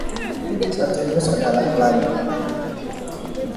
Saturnus adalah planet.